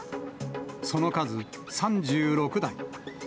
その数、３６台。